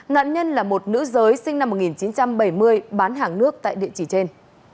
nạn nhân là một nữ giới sinh năm một nghìn chín trăm bảy mươi bán hàng nước tại địa chỉ trên